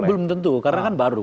belum tentu karena kan baru